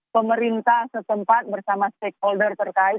pemerintah setempat bersama stakeholder terkait